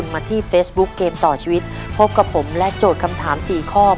ไม่บอกแล้วแทบวางเนาะนะครับ